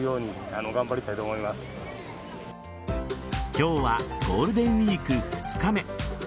今日はゴールデンウイーク２日目。